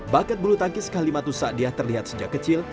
bakat bulu tangkis kalimantus sa'adiyah terlihat sejak kecil